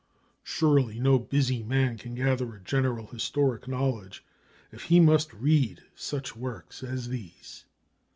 Surely no busy man can gather a general historic knowledge, if he must read such works as these!